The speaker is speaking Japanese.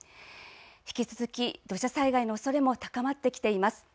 引き続き土砂災害のおそれも高まってきています。